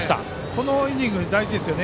このイニング大事ですね。